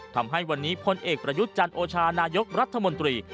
ทำให้วันนี้พลเอกประยุทธ์จันโอชานายกรัฐมนตรี